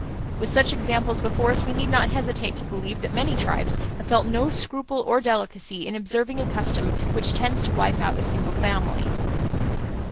With such examples before us we need not hesitate to believe that many tribes have felt no scruple or delicacy in observing a custom which tends to wipe out a single family.